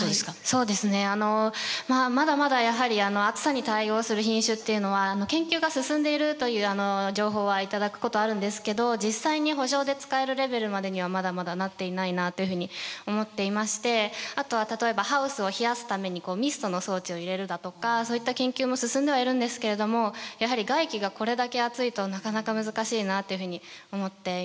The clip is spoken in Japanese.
そうですねまだまだやはり暑さに対応する品種っていうのは研究が進んでいるという情報は頂くことあるんですけど実際にほ場で使えるレベルまでにはまだまだなっていないなというふうに思っていましてあとは例えばハウスを冷やすためにミストの装置を入れるだとかそういった研究も進んではいるんですけれどもやはり外気がこれだけ暑いとなかなか難しいなというふうに思っていますはい。